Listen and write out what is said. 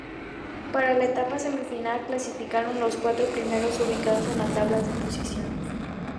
Para la etapa semifinal clasificaron los cuatro primeros ubicados en la tabla de posiciones.